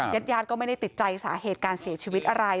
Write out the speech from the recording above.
ญาติญาติก็ไม่ได้ติดใจสาเหตุการเสียชีวิตอะไร